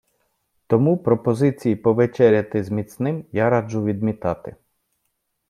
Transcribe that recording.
Тому пропозиції повечеряти з міцним я раджу відмітати.